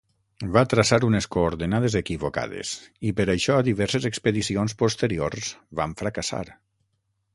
Va traçar unes coordenades equivocades, i per això diverses expedicions posteriors van fracassar.